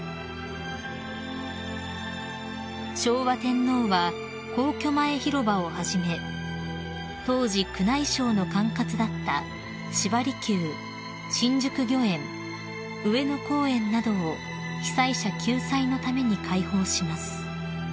［昭和天皇は皇居前広場をはじめ当時宮内省の管轄だった芝離宮新宿御苑上野公園などを被災者救済のために開放します］